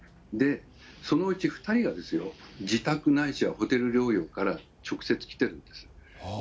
そのうち２人が、自宅ないしは、ホテル療養から直接来てるんです。